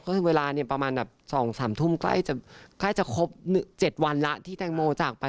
ก็คือเวลาเนี่ยประมาณแบบ๒๓ทุ่มใกล้จะครบ๗วันแล้วที่แตงโมจากไป